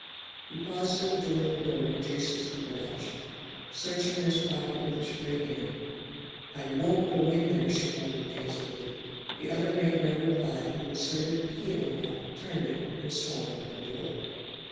He paused at a door in the building adjacent to the garage, searching in his pocket with his free hand. "I won't go in there!" she muttered dazedly. The other made no reply, but inserted a key in the lock, turned it, and swung open the door.